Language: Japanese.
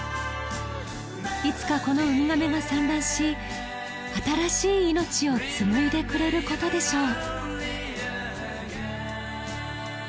いつかこのウミガメが産卵し新しい命を紡いでくれることでしょう